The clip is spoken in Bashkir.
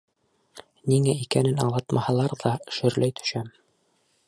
Ниңә икәнен аңлатмаһалар ҙа, шөрләй төшәм.